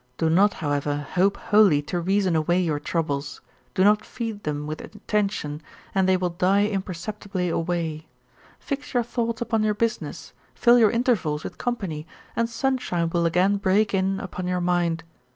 Do not, however, hope wholly to reason away your troubles; do not feed them with attention, and they will die imperceptibly away. Fix your thoughts upon your business, fill your intervals with company, and sunshine will again break in upon your mind.